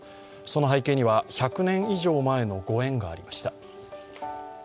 その背景には１００年以上前のご縁がありました。